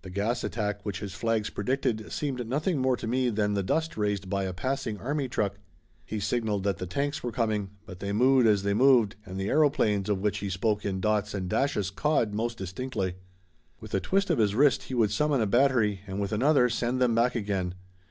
The gas attack which his flags predicted seemed nothing more to me than the dust raised by a passing army truck. He signaled that the tanks were coming, but they mooed as they moved and the aeroplanes of which he spoke in dots and dashes cawed most distinctly. With a twist of his wrist he would summon a battery and with another send them back again.